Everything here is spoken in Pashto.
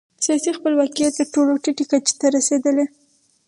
سیاسي خپلواکي یې تر ټولو ټیټې کچې ته رسېدلې.